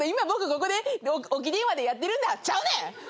ここで置き電話でやってるんだ」ちゃうねん！